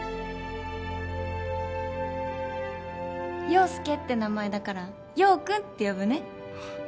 陽佑って名前だから陽君って呼ぶね。